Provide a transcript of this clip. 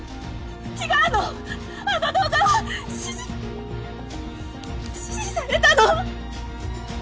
違うのあの動画はしじ指示されたの！